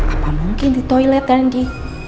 apa mungkin di toilet randy